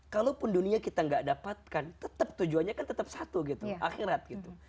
kalaupun dunia kita gak dapatkan tetap tujuannya kan tetap satu gitu akhirat gitu